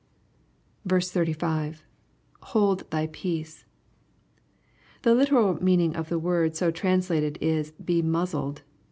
36. — [Hold thy peace.] The literal meaning of the word so translated is, " Be muzzled."